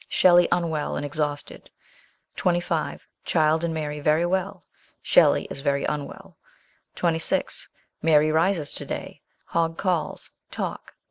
Shelley unwell and exhausted. 25. Child and Mary very well. Shelley is very unwell. 26. Mary rises to day. Hogg calls ; talk.